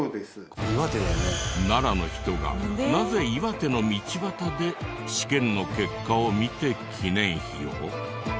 奈良の人がなぜ岩手の道端で試験の結果を見て記念碑を？